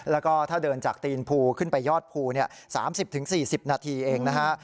แล้วก็ถ้าเดินจากตีนภูขึ้นไปยอดภู๓๐๔๐นาทีเองนะฮะ